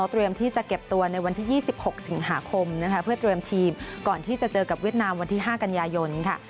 เตรียมที่จะเก็บตัวในวันที่๒๖สิงหาคมนะคะเพื่อเตรียมทีมก่อนที่จะเจอกับเวียดนามวันที่๕กันยายนค่ะ